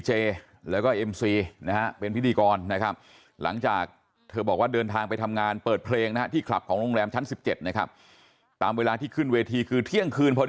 ใช่ค่ะก็คือบางคนก็คือประโดดลงมาก่อนแต่บางคนก็คือต้องรอรถกระเช้าแล้วไม่กลับกระโดด